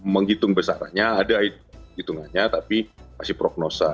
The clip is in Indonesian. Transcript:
menghitung besarannya ada hitungannya tapi masih prognosa